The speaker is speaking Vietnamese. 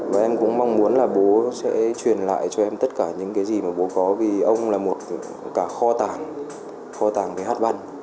và em cũng mong muốn là bố sẽ truyền lại cho em tất cả những cái gì mà bố có vì ông là một cả kho tàng kho tàng về hát văn